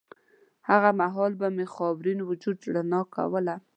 هغه مهال به مې خاورین وجود رڼا کوله